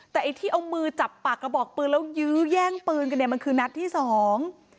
แต่ไอ้ที่เอามือจับปากกระบอกปืนแล้วยื้อแย่งปืนกันเนี่ยมันคือนัดที่สอง